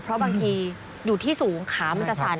เพราะบางทีอยู่ที่สูงขามันจะสั่น